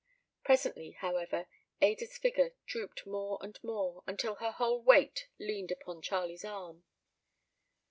Presently, however, Ada's figure drooped more and more, until her whole weight leaned upon Charlie's arm.